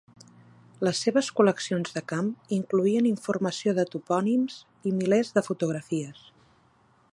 Les seves col·leccions de camp incloïen informació de topònims i milers de fotografies.